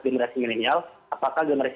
generasi milenial apakah generasi